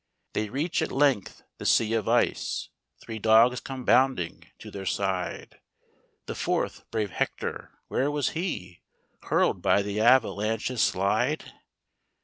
They reach at length the sea of ice, Three dogs come bounding to their side: The fourth, brave Hector, where was he Hurl'd by the avalanche's slide